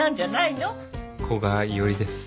古賀一織です。